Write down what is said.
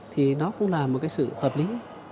thì nó cũng là một cái sự hợp lý